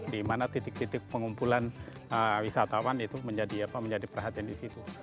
di mana titik titik pengumpulan wisatawan itu menjadi perhatian di situ